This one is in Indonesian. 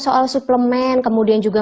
soal suplemen kemudian juga